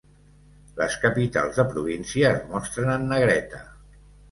Les capitals de província es mostren en negreta.